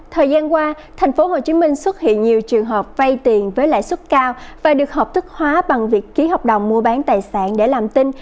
thời gian qua tp hcm xuất hiện nhiều trường hợp vay tiền với lãi suất cao và được hợp thức hóa bằng việc ký hợp đồng mua bán tài sản để làm tin